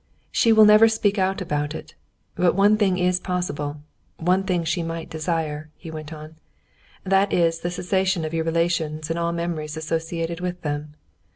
"She will never speak out about it. But one thing is possible, one thing she might desire," he went on, "that is the cessation of your relations and all memories associated with them.